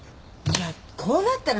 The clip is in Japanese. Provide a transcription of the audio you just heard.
じゃあ私。